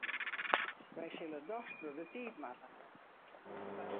Wy sille dochs troch de tiid moatte.